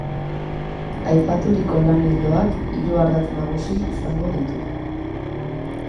Aipaturiko lan-ildoak hiru ardatz nagusi izango ditu.